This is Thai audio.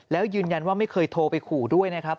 แล้วยืนยันว่าไม่เคยโทรไปขู่ด้วยนะครับ